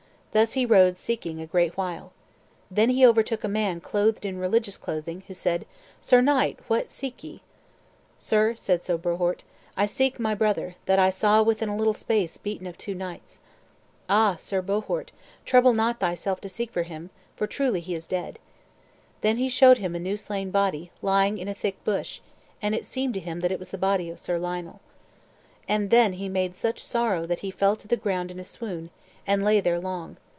Thus he rode seeking, a great while. Then he overtook a man clothed in a religious clothing, who said, "Sir Knight, what seek ye?" "Sir," said Sir Bohort, "I seek my brother, that I saw within a little space beaten of two knights." "Ah, Sir Bohort, trouble not thyself to seek for him, for truly he is dead." Then he showed him a new slain body, lying in a thick bush; and it seemed him that it was the body of Sir Lionel. And then he made such sorrow that he fell to the ground in a swoon, and lay there long.